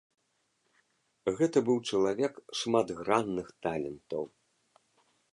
Гэта быў чалавек шматгранных талентаў.